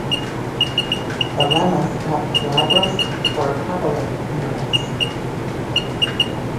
The lemmas have glabrous or papillate nerves.